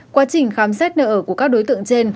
quá trình khám xét nợ của các đối tượng trên